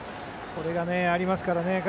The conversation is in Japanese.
これがありますからね。